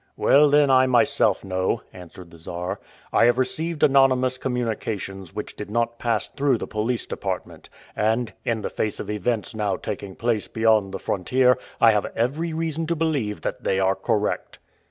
"Well, then, I myself know," answered the Czar. "I have received anonymous communications which did not pass through the police department; and, in the face of events now taking place beyond the frontier, I have every reason to believe that they are correct."